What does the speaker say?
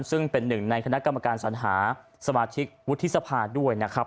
ซึ่งเป็นหนึ่งในคณะกรรมการสัญหาสมาชิกวุฒิสภาด้วยนะครับ